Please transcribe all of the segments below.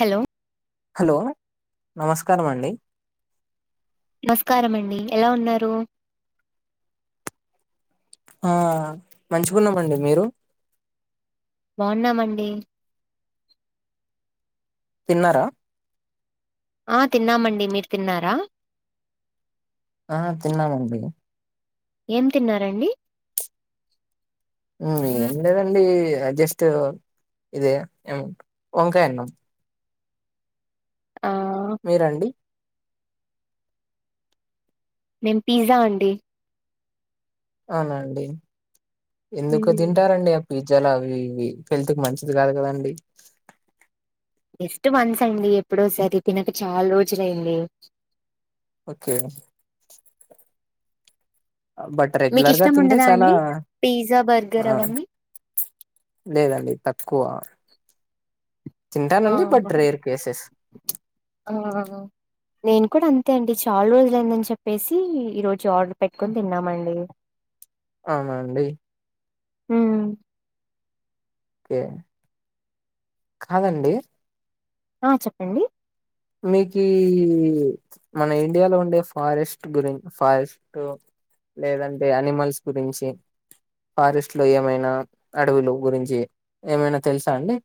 Hello hello నమస్కారం అండి నమస్కారం అండి ఎలా ఉన్నారు ఆ మంచిగున్నామండి మీరు బాగున్నామండి తిన్నారా ఆ తిన్నాం అండి మీరు తిన్నారా ఆ తిన్నాను అండి ఏం తిన్నారండి ఏం లేదండి జస్ట్ ఇదే ఏం వంకాయ అన్నం ఆ మీరండి నేన పిజ్జా అండి అవునండి ఎందుకు మ్మ్. తింటారండి ఆ పిజ్జల్ అవి ఇవి హెల్త్కి మంచిది కాదు కదండి జస్ట్ వన్స్ అండి ఎప్పుడోసారి తినక చాలా రోజులయింది ఓకే బట్ మీకు రెగ్యులర్గా ఇష్టం తింటే ఉండదా చాలా అండి పిజ్జా ఆ బర్గర్ అవన్నీ లేదండి తక్కువ ఆ తింటానండి బట్ రేర్ కేసెస్ ఆ నేను కూడా అంతే అండి చాలా రోజులయిందని చెప్పేసి ఈ రోజు ఆర్డర్ పెట్టుకొని తిన్నామండి అవునా అండి ఉమ్ ఓకే కాదండి ఆ చెప్పండి మీక ఈ మన ఇండియాలో ఉండే ఫారెస్ట్ గురిం ఫారెస్ట లేదంటే అనిమల్స్ గురించి ఫారెస్ట్ లో ఏమైనా అడవులు గురించి ఏమైనా తెలుసా అండి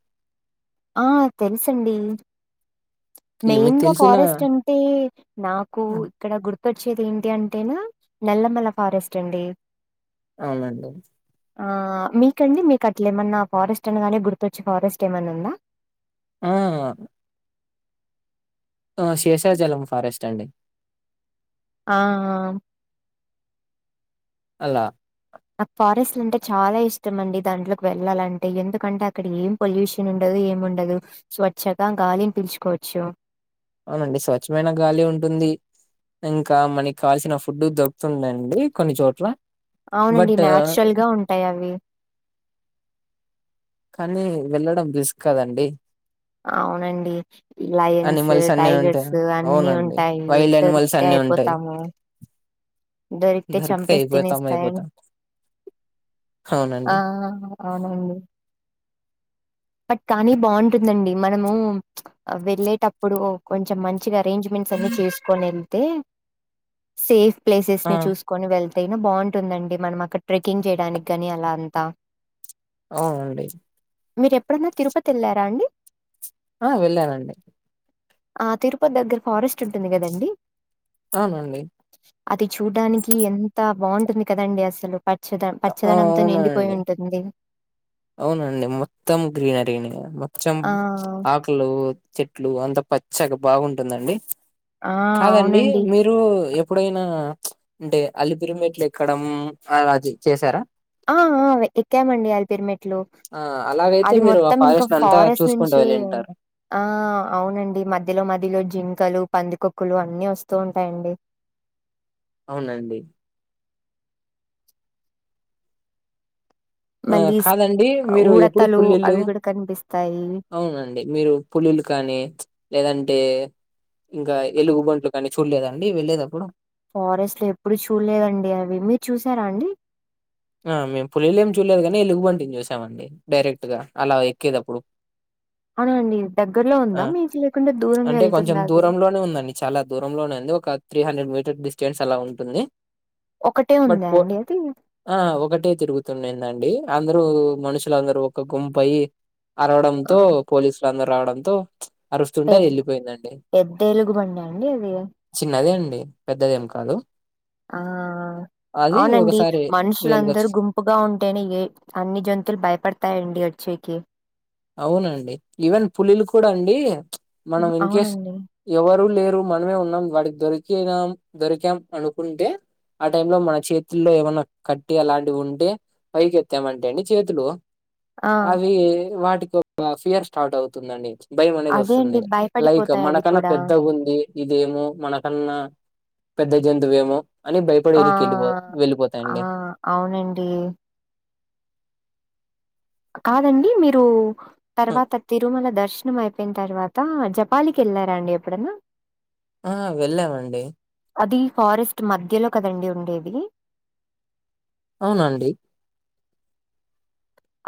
ఆ తెలుసండి కి మీకు మెయిన్ గా తెలిసిన ఫారెస్ట్ అ తే నాకు ఇక్కడ గుర్తొచ్చేది ఏంటి అంటేనా నల్లమల్ల ఫారెస్ట్ అండి అవునండి ఆ మీకండి మీకు అట్ల ఏమన్నా ఫారెస్ట్ అనగానే గుర్తొచ్చే ఫారెస్ట్ ఏమన్నా ఉందా ఆ శేషాజలం ఫారెస్ట్ అండి ఆ అలా నాకు ఫారెస్ట్లు అంటే చాలా ఇష్టం అండి దాంట్లోకి వెళ్ళాలంటే ఎందుకంటే అక్కడ ఏం పొల్యూషన్ ఉండదు ఏం ఉండదు స్వచ్చగా గాలిని పిల్చుకోవచ్చు అవునండి స్వచ్ఛమైన గాలి ఉంటుంది ఇంకా మనకి కావల్సిన ఫుడ్ దొరుకుతుందండి కొన్ని చోట్ల. అవునండి బట్ నాచురల్ గా ఉంటాయి అవి కానీ వెళ్ళడం రిస్క్ కదండి. అవునండి లయన్స్, అనిమల్స్ అన్ని ఉంటాయి టైగర్స్ అన్నీ అవునండి ఉంటాయి, ఇవి వైల్డ్ అనిమల్స్ దొరికితే అన్ని ఉంటాయి అయిపోతాము. దొరికితే చంపేసి అయిపోతాం తినేస్తాయ్ అండ్, అయిపోతాం ఆ అవునండి అవునండి బట్ కానీ బాగుంటుందండి, మనము ప్చ్ వెళ్ళేటప్పుడు కొంచెం మం మంచిగా ఆరెంజ్మెంట్స్ అన్నీ చేసుకొని ఎళ్తే, సేఫ్ ప్లేసెస్ ఆ ని చూసు కోని వెళ్తేగినా బాగుంటుందండి, మనం అక్కడ ట్రెకింగ్ చేయడానికి గని అలా అంతా. అవునండి మీరెప్పుడన్నా తిరుపతి వెళ్ళారా అండి? ఆ వెళ్ళానండి ఆ తిరుపతి దగ్గర ఫారెస్ట్ ఉంటుంది కదండి? అవునండి అది చూడడానికి ఎంత బాగుంటుంది కదండి అసలు పట్ చదం ఆ పచ్చదనంతో నిండిపోయి అవునండి ఉంటుంది. అవునండి మొత్తం గ్రీనరీనే మొచ్చం ఆ! ఆక్ కు, చెట్లు అంత పచ్చగా బాగుంటుందండి, ఆ! కాదండి అవునండి. మీర్ మీరు ఎప్పుడైనా ప్చ్ అంటే అలిపిరిమెట్లెక్కడం అలాటిది చేసారా? ఆ ఆ వె ఎక్కాం మండి అలిర్పిమ్మేట్ ట్లూ ఆ అలాగైతే అది మీరు ఆ మొత్తం ఇంకా అంతా ఫారెస్ట్ చూసుకుంటూ నుంచి వెళ్ళింటారు ఆ అవునండి మధ్యలో మధ్యలో జింకలు, పందికొక్కులు అన్నీ వస్తూ ఉంటాయండి. అవునండి ఆ మళ్ళీ స్ కాదండి మీరు ఎప్పుడు ఊడతలు పులుల్ళు అవి కూడా కనిపిస్తాయి. అవునండి మీరు పులులు కానీ ప్చ్ లేదంటే ఇంకా ఎలుగు బంట్లు కానీ చూల్లేదా అండి వెళ్లేదప్పుడు? ఫారెస్ట్లో ఎప్పుడు చూడలేదండి, అవి మీరు చూసారా అండి? ఆ మేం పులిలను చూలేదు గనీ ఎలుగుబంటిని చూసామండి, డైరెక్ట్ గా అలా ఎక్కేదప్పుడు. అవున అండి దగ్గరలో ఆ! ఉందా మీకీ, లేకుంటే దూరంగా వెళ్తుందా అది? లోనే ఉందండి. చాలా దూరంలోనే ఉంది, ఒక త్రీ హండ్రెడ్ మీటర్ డిస్టెన్స్ అలా ఉంటుంది. ఒకటే బట్ ఉందా పో అండి అది? ఆ ఒకటే తిరుగుతుండందండి, అందరూ మనుషులందరూ ఒక గుంపు అయి ఆ అరవడంతో, పోలీసులు అందరూ రావడంతో ప్చ్ అరుస్తుంటే అది పెద్ ఎళ్ళిపోయిందండి. పెద్ద ఎలుగుబండా అండి అది? చిన్నదే అండి పెద్దదేం కాదు. ఆ అది అవునండి ఒకసారి మనుష్ మనుషులు రియల్‌గా అందరూ చూసా. గుంపుగా ఉంటేనే ఏ, అన్ని జంతువులు భయపడతాయండి ఒచ్చేకి అవునండి ఈవెన్ పులులు కూడా అండి మనం హ్మ్. ఇన్ కేేస్ అవునండి. ఎవరు లేరు మనమే ఉన్నాం వాటికి దొరికినాం, దొరికాం అనుకుంటే ఆ టైమ్ లో మన చేతుల్లో ఏమైన్నా కట్టే అలాంటివి ఉంటే పైకెత్తామంటే అండి చేతులు ఆ! అవి వాటికి ఒక ఫియర్ స్టార్ట్ అవుతుందండి. భయం, అనేది, అదే అండి వస్తుంది. లైక్, భయపడిపోతాయి అవి మనకన్నా, కూడా పెద్దగా ఉంది. ఇదేమో, మనకన్నా, పెద్ద, జంతువేమో, అని, ఆ భయపడనికి, వెళ్ళిపో, ఆ వెళ్లిపోతాయండి. అవునండి, కాదండి, మీరు, ఆ తర్వాత, తిరుమల, దర్శనం అయిపోయిన, తర్వాత, జపాలికి, వెళ్ళారా, అండి, ఎప్పుడన్నా, ఆ, వెళ్ళామండి. అది, ఫారెస్ట్, మధ్యలో, కదండి. ఉండేది, అవునండి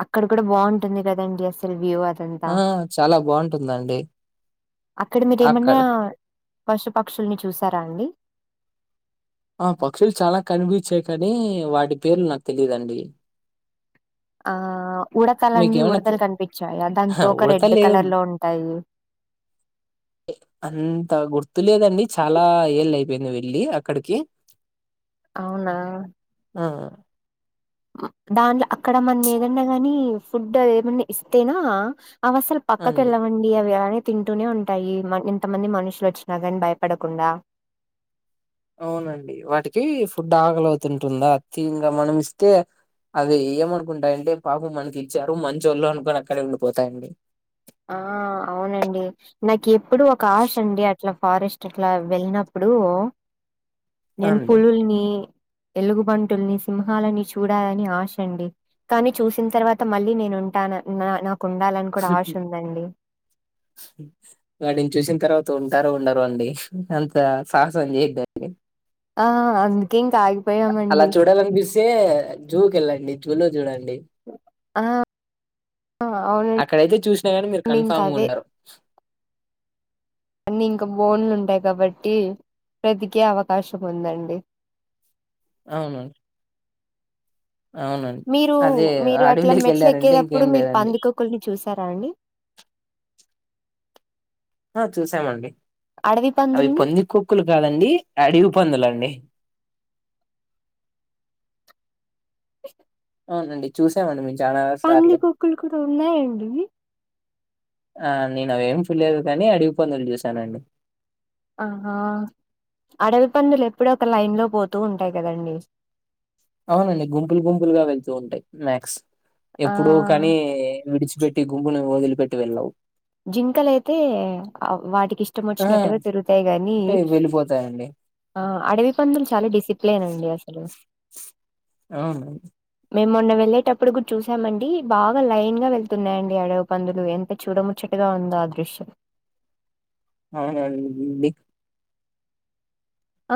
అక్కడ, కూడా, బాగుంటుంది. కదండి, అస్సల్, వ్యూవర్ అంత, ఆ చాలా బాగుంటుందండి అక్కడ మీరేమన్నా, అక్కడ పశు, పక్షుల్ని, చూసారా, అండి. ఆ, పక్షులు, చాలా, కనిపించాయి. కానీ, వాటి పేర్లు, నాకు, తెలియదండి. ఆ, ఉడతలండి, మీకేమన్నా తె ఉడతలు, కనిపించాయా, దానీ అహా! తోక ఒక రెడ్ ఉడతలేవు కలర్ లో ఉంటాయి. అంత, గుర్తులేదండి. చాలా, ఏళ్ అయిపోయింది. వెళ్ళి, అక్కడికి, అవునా ఆ దాంట్లో, అక్కడ, మనమేదన్నా, గాని, ఫుడ్, ఏమన్నా, ఇస్తేనా, అవసలు, అండి. పక్కకేళ్ళవండి, అవి, అలానే, తింటూనే ఉంటాయి. ఇంతమంది మనుషులు వచ్చినా కానీ భయపడకుండా అవునండి, వాటికి, ఫుడ్ ఆకలివుతుంటుందా,, అంతే ఇంగా మనం ఇస్తే అది, ఏమనుకుంటాయంటే, పాపం, మనకి, ఇచ్చారు, మంచోళ్ళు, అనుకొని అక్కడే ఉండిపోతాయండి. ఆ, అవునండి, నాకు, ఎప్పుడు, ఒక, ఆశ ఉండే, అ అట్లా, ఫారెస్ట్, అట్లా, వెళ్ళినప్పుడు, నేను అండి. పులుల్ని ఎలుగు, బంటుల్ని, సింహాలని, చూడాలని, ఆశండి. కానీ, చూసిన, తర్వాత, మళ్ళీ, నేను ఉంటాన నా నాకు, ఉండాలని, కూడా, ఆశ ఉందండి. ఉమ్ వాటిని, చూసిన, తర్వాత ఉంటారో, ఉండరు, అండి అంత సాహసం, చేయ్యోద్ద, ఆ, అందుకే, ఇంక, ఆగి అలా, చూడాలనిపిస్తే, జూకి, వెళ్ళండి జూలో చూడండి ఆ అవునండి అక్కడయితే, చూసినా కానీ మీరు ఇంక కన్ఫామ్ గా అదే ఉండరు అన్నీ, ఇంకా, బోన్లు, ఉంటాయి. కాబట్టి ప్రతికే అవకాశం ఉందండి. అవును, మీరు, అదే మీరు అట్లా అడవిలోకి మెట్లు వెళ్ళారంటే ఎక్కేటప్పుడు ఇంకేం మీరు లేదండి. పందుకొక్కుల్ని, చూసారా అండి. ఆ, చూసామండి, అడవి అవి పందుల్ని పందికొక్కులు, కాదండి. అడవి పందులండి, అవునండి, చూసామండి, మేం చాలా సార్లు. పందికొక్కులు, కూడా, ఉన్నాయండి. వి ఆ, నేను, అవ్వేం, చూడలేదు. కానీ, అడివి పందులు చూసానండి. ఆహా, అడవి పందులు, ఎప్పుడు, ఒక లైన్ లో పోతూ, ఉంటాయి, కదండి, అవునండి, గుంపులు గుంపులుగా, వెళ్తూ ఉంటాయి. మ్యాక్స్, ఆ ఎప్పుడు కానీ విడిచిపెట్ టి గుంపును వదిలిపేట్టి, వెళ్ళవు, జింకలు, అయితే, వాటికి ఇష్టం వచ్చినట్టుగా, తిరుగుతాయి. గానీ పోతాయండి, ఆ అడవి పందులు చాలా డిసిప్లెన్ అండి అసలు అవును మేము మొన్న వెళ్లేేటప్పుడు కూడా చూసామండి బాగా లైన్ గా వెళ్తున్నాయండి అడవి పందులు ఎంత చూడ ము చ్చటగా ఉందో ఆ దృశ్యం అవునండ్డి ఆ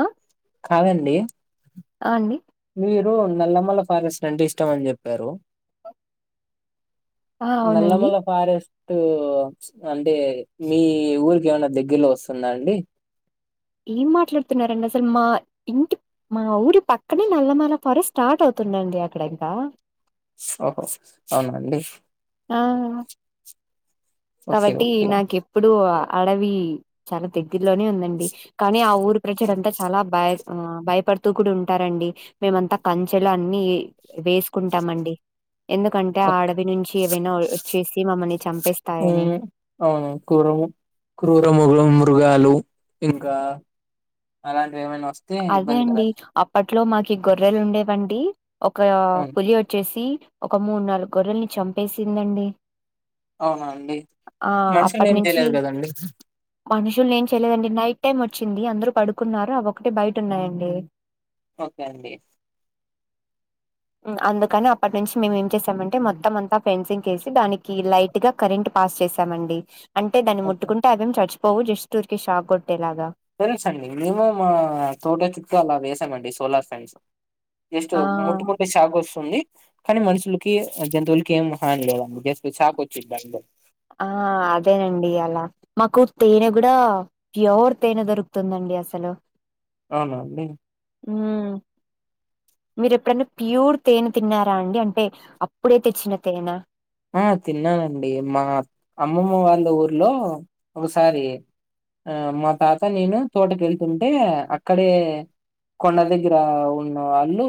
కాదండి ఆ అండి మీరు నల్లమల్ల ఫారెస్ట్ అంటే ఇష్టం అని చెప్పారు ఆ! అవునండి. నల్లమల్ల ఫారెస్ట్ అంటే మీ ఊరికి ఏమైనా దగ్గరలో వస్తుందా అండి ఏం మాట్లాడుతున్నారండి అసలు మా ఇంటి మా ఊరి పక్కనే నల్లమల్ల ఫరెస్ట్ స్టార్ట్ అవుతుందండి అక్కడ ఇంకా ఓహో అవునాఅండి ఆ ఓకే కాబట్టి ఓకే నాకెప్పుడు అడవి చాలా దగ్గరలోనే ఉందండి కానీ ఆ ఊరు ప్రజలంతా చాలా భయ భయపడుతూ కూడా ఉంటారండి మేమంతా కంచెలు అన్నీ వేసుకుంటామండి ఎందుకంటే ఆ ఓకే అడవి నుంచి ఏవైనా వచ్చేసి మమ్మల్ని చంపేస్ ఉమ్ అవును క్రూరము క్రూర మగ మృగాలు ఇంకా అలాంటివి ఏమైనా వస్తా అదే అండి అప్పట్లో మాకి గొర్రెలు ఉండేవండి ఒక అవును పులి వచ్చేసి ఒక మూడు నాలుగు గొర్రెల్ని చంపేసిందండి అవునా అండి ఆ మనుషుల్ని ఏం అప్పటినుంచి చేయలేదు కదండి మనుషుల్ని ఏం చేయలేదండి నైట్ టైమ్ వచ్చింది అందరూ పడుకున్నారు అవ్వి ఒకటే బయట ఉన్నాయండి ఓకే అండి అందుకని అప్పటి నుంచి మేమేం చేసామంటే మొత్తం అంతా ఫెన్సింగ్ కేసి దానికి లైట్ గా కరెంట్ పాస్ చేశామండి అంటే దాన్ని ఓకే ముట్టుకుంటే అవేం చచ్చిపోవు జస్ట్ ఊరికి షాక్ కొట్టేలాగా తెలుసాండి మేము తోట చుట్టూ అలా వేసామండి సోలార్ ఫ్యాన్స్ జస్ట్ ఆ ముట్టుకుంటే షాక్ వస్తుంది కానీ మనుషులకి జంతువులకి ఏం హాని లేదు అందుకే షాక్ వచ్చిది అంతె ఆ అదేనండి అలా మాకు తేనె గూడా ప్యూర్ తేనె దొరుకుతుందండి అసలు అవునా మీక్ ఉమ్ మీరెప్పుడన్నా ప్యూర్ తేనె తిన్నారా అండి అంటే అప్పుడే తెచ్చిన తేన ఆ తిన్నానండి మా అమ్మమ్మ వాళ్ళ ఊర్లో ఒకసారి ఆ మా తాత నేను తోటకి వెళ్తుంటే అక్కడే కొండ దగ్గర ఉన్నవాళ్లు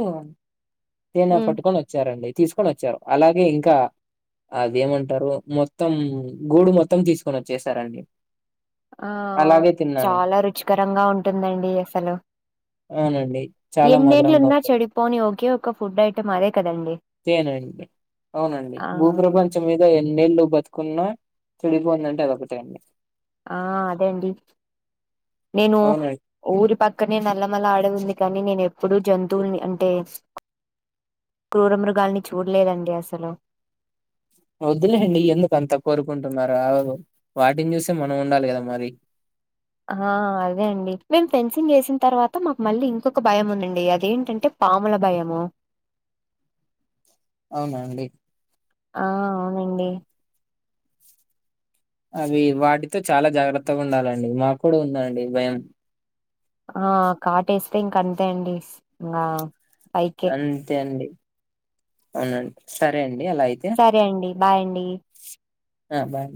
తేన ఉమ్ పట్టుకొని వచ్చారండి తీసుకొని వచ్చారు అలాగే ఇంకా అదేమంటారు మొత్తం గూడు మొత్తం తీసుకొని వచ్చేసారండి ఆ అలాగే తిన్నాను చాలా రుచికరంగా ఉంటుందండి అసలు ఆ అవునండి చాలా మధురంగా ఎన్నేళ్లున్నా ఉంటుంది చెడిపోని ఒకే ఒక ఫుడ్ ఐటెమ్ అదే కదండి తేనే నండి అవునండి ఆ భూప్రపంచం ఇ ఎన్నేళ్ళు బతుకున్నా చెడిపోనిదంటే అదోక్కటే అండి. ఆ అదే అండి నేను అవునండి ఊరి పక్కనే నల్లమల్ల అడవి ఉంది కానీ నేను ఎప్పుడూ జంతువుల్ని అంటే క్రూరమృగాల్ని చూడలేదండి అసలు వద్దులే అండి ఎందుకు అంత కోరుకుంటున్నారు ఆవులు వాటిని చూస్తే మనం ఉండాలి గదా మరి ఆ అదే అండి మేము ఫెన్సింగ్ వేసిన తర్వాత మాకు మళ్ళీ ఇంకొక భయం ఉండుండే అదేంటంటే పాముల భయము అవునండి ఆ అవునండి అవి వాటితో చాలా జాగ్రత్తగా ఉండాలండి మాకు కూడా ఉందండి భయం ఆ కాటేస్తే ఇంక అంతే అండి ఇంగ అంతే అండి అవునండి సరే అండి అలా అయితే సరే అండి బాయ్ అండి ఆ బాయ్